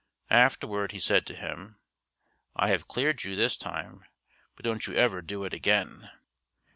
Afterward he said to him, "I have cleared you this time, but don't you ever do it again."